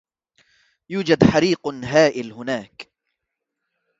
يوجد حريق هائل هناك.